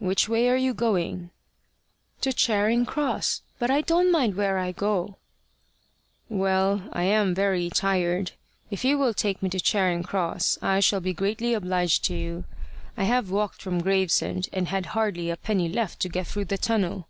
"Which way are you going?" "To Charing Cross; but I don't mind where I go." "Well, I am very tired. If you will take me to Charing Cross, I shall be greatly obliged to you. I have walked from Gravesend, and had hardly a penny left to get through the tunnel."